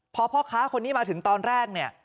พอพ่อค้าคนนี้มาถึงตอนแรกเนี่ย